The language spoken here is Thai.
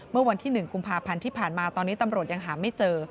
เมื่อวันที่๑กุมภาพันธ์ที่ผ่านมาตอนนี้ตำรวจยังหาไม่เจอ